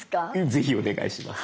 ぜひお願いします。